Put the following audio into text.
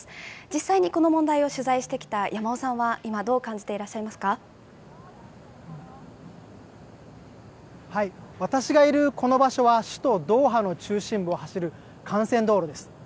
実際にこの問題を取材してきた山尾さんは、今どう感じていらっし私がいるこの場所は、首都ドーハの中心部を走る幹線道路です。